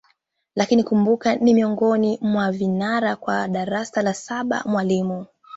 Lakini kumbuka ni miongoni mwa vinara kwa darasa la saba mwalimu